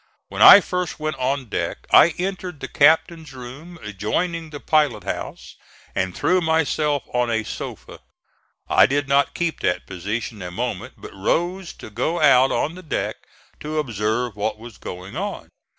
When I first went on deck I entered the captain's room adjoining the pilot house, and threw myself on a sofa. I did not keep that position a moment, but rose to go out on the deck to observe what was going on.